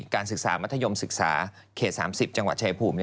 การศึกษามัธยมศึกษาเขต๓๐จังหวัดชายภูมิ